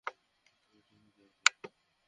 তুই এটা করতে পারবি।